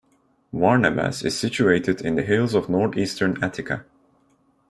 Varnavas is situated in the hills of northeastern Attica.